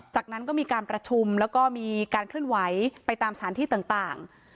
จากนั้นก็มีการประชุมแล้วก็มีการเคลื่อนไหวไปตามสถานที่ต่าง